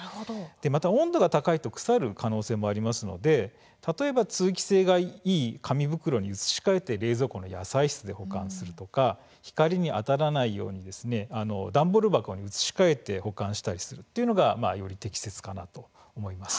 また温度が高いと腐る可能性もありますので例えば通気性がいい紙袋に移し替えて冷蔵庫の野菜室で保管するとか光に当たらないように段ボール箱に移し替えて保管したりするのがより適切かなと思います。